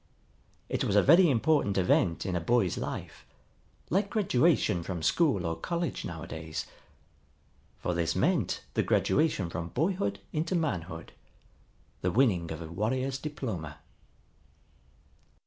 It was a very important event in a boy's life, like graduation from school or college nowadays. For this meant the graduation from boyhood into manhood, the winning of a warrior's diploma.